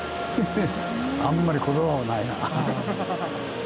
あんまり言葉もないなあ。